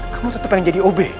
kamu tetep pengen jadi ob